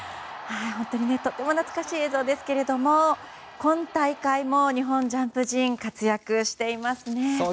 本当に、とても懐かしい映像ですけれども今大会も日本ジャンプ陣活躍していますね。